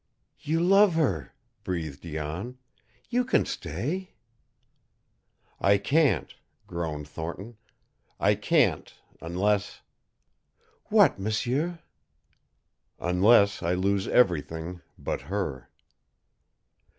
"You love her," breathed Jan. "You can stay." "I can't," groaned Thornton. "I can't unless " "What, m'sieur?" "Unless I lose everything but her."